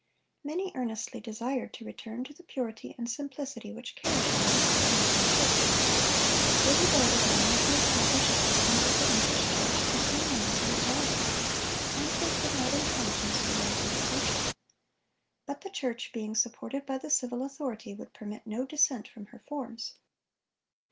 Many earnestly desired to return to the purity and simplicity which characterized the primitive church. They regarded many of the established customs of the English Church as monuments of idolatry, and they could not in conscience unite in her worship. But the church, being supported by the civil authority, would permit no dissent from her forms.